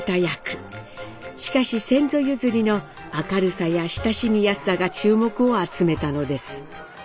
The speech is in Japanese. しかし先祖譲りの明るさや親しみやすさが注目を集めたのです。